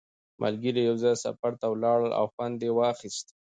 ملګري یو ځای سفر ته ولاړل او خوند یې واخیست